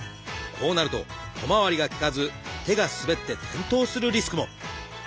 こうなると小回りが利かず手が滑って転倒するリスクも。